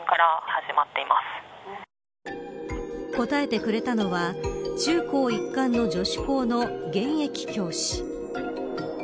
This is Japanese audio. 答えてくれたのは中高一貫の女子校の現役教師。